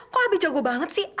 kok lebih jago banget sih